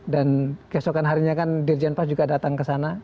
dan keesokan harinya kan dirjen pas juga datang ke sana